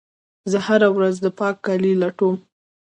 زه هره ورځ د پاک کالي لټوم.